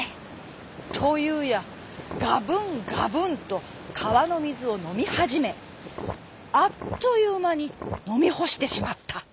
というやがぶんがぶんとかわのみずをのみはじめあっというまにのみほしてしまった。